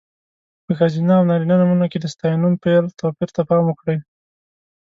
په ښځینه او نارینه نومونو کې د ستاینوم، فعل... توپیر ته پام وکړئ.